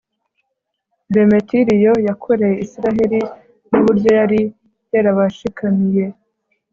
demetiriyo yakoreye israheli, n'uburyo yari yarabashikamiye